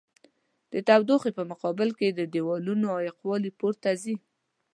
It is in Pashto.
د تودوخې په مقابل کې د دېوالونو عایق والي پورته ځي.